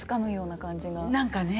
何かね。